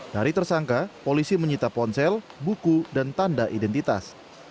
dari tersangka polisi menyita ponsel buku dan tanda identitas